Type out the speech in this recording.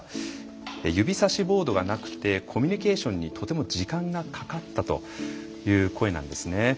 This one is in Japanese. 指さしボードがなくてコミュニケーションにとても時間がかかったという声なんですね。